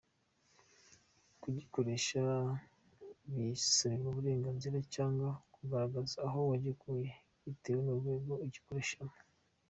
Kugikoresha bisabirwa uburenganzira cyangwa kugaragaza aho wagikuye, bitewe n’urwego ugikoreshamo.